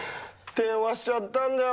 電話しちゃったんだよ。